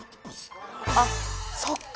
あっそっか！